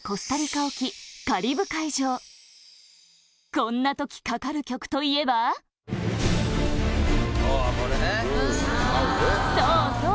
こんな時かかる曲といえば『彼こそが海賊』そうそう！